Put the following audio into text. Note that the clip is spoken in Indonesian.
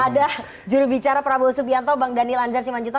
ada jurubicara prabowo subianto bang daniel anjar simanjuta